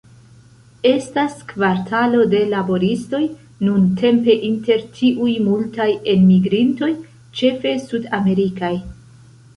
Estas kvartalo de laboristoj, nuntempe inter tiuj multaj enmigrintoj, ĉefe sudamerikaj.